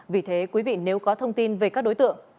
vì thế quý vị nếu có thông tin về các đối tượng